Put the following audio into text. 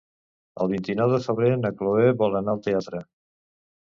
El vint-i-nou de febrer na Chloé vol anar al teatre.